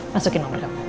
masukin nomer kamu